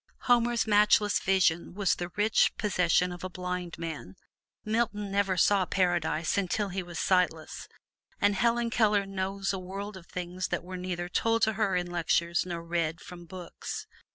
Homer's matchless vision was the rich possession of a blind man; Milton never saw Paradise until he was sightless, and Helen Keller knows a world of things that were neither told to her in lectures nor read from books.